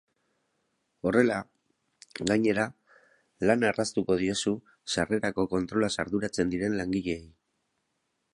Horrela, gainera, lana erraztuko diezu sarrerako kontrolaz arduratzen diren langileei.